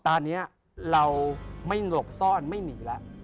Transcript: ตอนนี้เราไม่หลบซ่อนไม่มีแล้ว